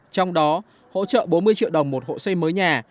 trong đó hỗ trợ bốn mươi triệu đồng một hộ xây mới nhà